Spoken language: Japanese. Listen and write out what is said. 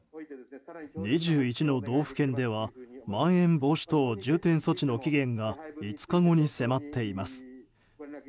２１の道府県ではまん延防止等重点措置の期限が５日後に迫っています。